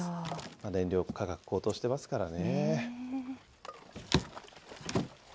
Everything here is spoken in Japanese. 燃料価格高騰してますからね。